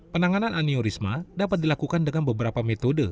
penanganan aneurisma dapat dilakukan dengan beberapa metode